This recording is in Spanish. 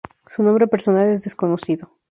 Su nombre personal es desconocido.